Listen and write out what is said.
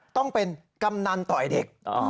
ต้องเป็นกำนันต่อยเด็ก